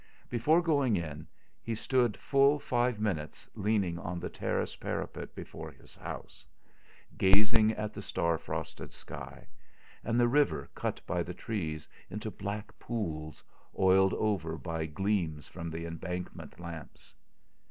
Before going in, he stood full five minutes leaning on the terrace parapet before his house, gazing at the star frosted sky, and the river cut by the trees into black pools, oiled over by gleams from the Embankment lamps.